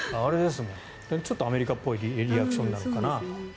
ちょっとアメリカっぽいリアクションなのかなと。